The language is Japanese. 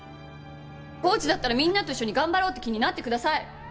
コーチだったらみんなと一緒に頑張ろうって気になってください！